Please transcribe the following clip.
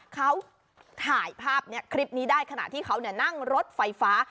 เขาถ่ายภาพนี้คลิปนี้ได้ขณะที่เขานั่งรถไฟฟ้า